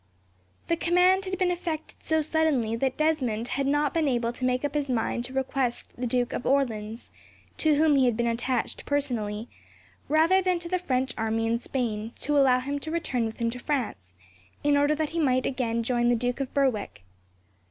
The command had been effected so suddenly that Desmond had not been able to make up his mind to request the Duke of Orleans, to whom he had been attached personally, rather than to the French army in Spain, to allow him to return with him to France, in order that he might again join the Duke of Berwick.